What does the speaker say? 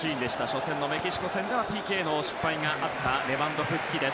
初戦のメキシコ戦ではＰＫの失敗があったレバンドフスキ。